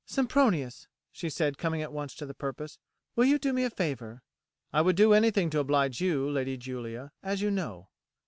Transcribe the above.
"Sempronius," she said coming at once to the purpose, "will you do me a favour?" "I would do anything to oblige you, Lady Julia, as you know."